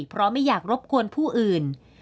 เพราะไม่อยากรบกวนผู้อื่น